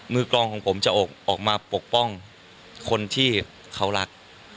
กรองของผมจะออกมาปกป้องคนที่เขารัก